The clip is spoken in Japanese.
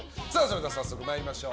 早速参りましょう。